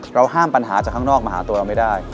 ห้ามปัญหาจากข้างนอกมาหาตัวเราไม่ได้